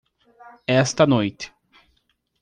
Esta noite